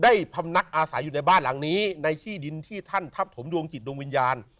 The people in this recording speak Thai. พำนักอาศัยอยู่ในบ้านหลังนี้ในที่ดินที่ท่านทับถมดวงจิตดวงวิญญาณ